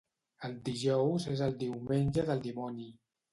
El dijous és el diumenge del dimoni.